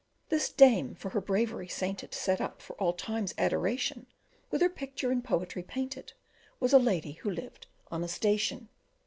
This dame, for her bravery sainted, Set up for all times' adoration, With her picture in poetry painted, Was a lady who lived on a station.